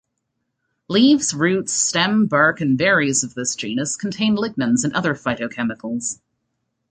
Leaves, roots, stem, bark and berries of this genus contain lignans and other phytochemicals.